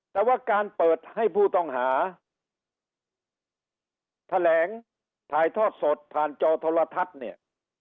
แต่ว่าการเปิดให้ผู้ต้องหาแถลงถ่ายทอดสดผ่านจอโทรทัศน์เนี่ย